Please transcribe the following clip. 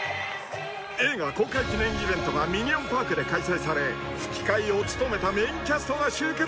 ［映画公開記念イベントがミニオン・パークで開催され吹き替えを務めたメインキャストが集結］